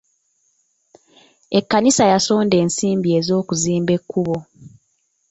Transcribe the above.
Ekkanisa yasonda ensimbi e'zokuzimba ekkubo.